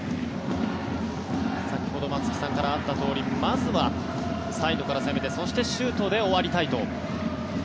先ほど松木さんからあったようにまずはサイドから攻めてそしてシュートで終わりたいと。